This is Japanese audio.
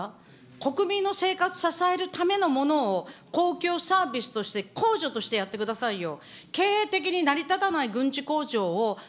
国民の生活支えるためのものを公共サービスとして、公助としてやってくださいよ。